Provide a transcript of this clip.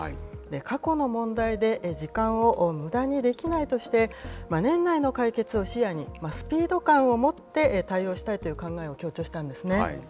過去の問題で時間をむだにできないとして、年内の解決を視野に、スピード感を持って対応したいという考えを強調したんですね。